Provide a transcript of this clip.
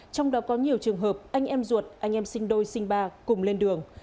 trong đó có nhiều trường hợp anh em ruột anh em sinh đôi sinh ba cùng lên đường